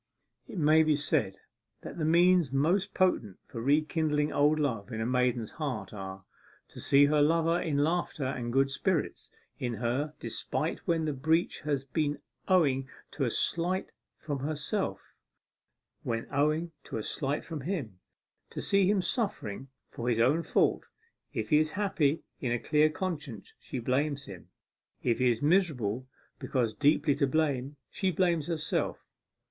It may be said that the means most potent for rekindling old love in a maiden's heart are, to see her lover in laughter and good spirits in her despite when the breach has been owing to a slight from herself; when owing to a slight from him, to see him suffering for his own fault. If he is happy in a clear conscience, she blames him; if he is miserable because deeply to blame, she blames herself.